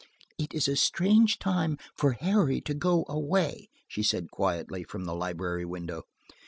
"It is a strange time for Harry to go away," she said quietly, from the library window.